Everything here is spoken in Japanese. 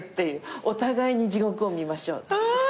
お互いに地獄を見ましょう。